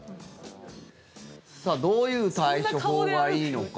さあどういう対処法がいいのか。